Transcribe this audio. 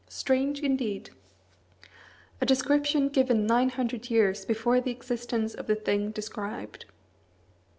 Strange, indeed! a description given nine hundred years before the existence of the thing described.